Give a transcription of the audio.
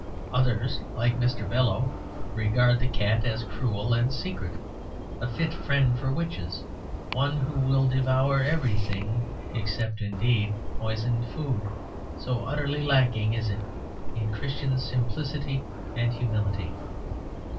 Others, like Mr. Belloc, regard the cat as cruel and secret, a fit friend for witches; one who will devour everything, except, indeed, poisoned food, "so utterly lacking is it in Christian simplicity and humility."